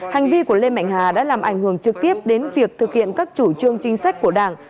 hành vi của lê mạnh hà đã làm ảnh hưởng trực tiếp đến việc thực hiện các chủ trương chính sách của đảng